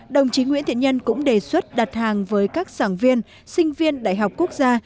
đồng chí nguyễn thiện nhân cũng đề xuất đặt hàng với các sản viên sinh viên đại học quốc gia